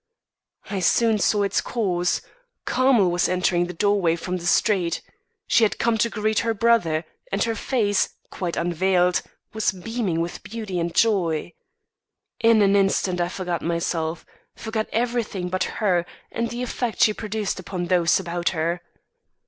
I soon saw its cause Carmel was entering the doorway from the street. She had come to greet her brother; and her face, quite unveiled, was beaming with beauty and joy. In an instant I forgot myself, forgot everything but her and the effect she produced upon those about her.